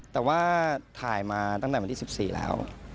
แต่ว่าถ่ายมาตั้งแต่วันที่๑๔แล้ว